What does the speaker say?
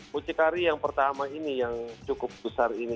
mucikari yang pertama ini yang cukup besar ini